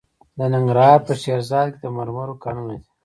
د ننګرهار په شیرزاد کې د مرمرو کانونه دي.